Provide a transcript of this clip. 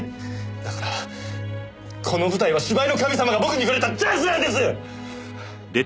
だからこの舞台は芝居の神様が僕にくれたチャンスなんです！！